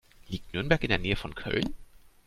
Liegt Nürnberg in der Nähe von Köln?